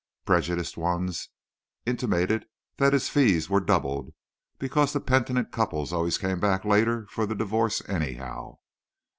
Prejudiced ones intimated that his fees were doubled, because the penitent couples always came back later for the divorce, anyhow.